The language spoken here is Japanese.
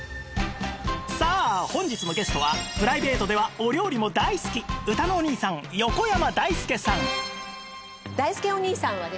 さあ本日のゲストはプライベートではお料理も大好き歌のお兄さん横山だいすけさん